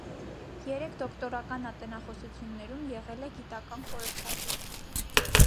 Երեք դոկտորական ատենախոսություններում եղել է գիտական խորհրդատու։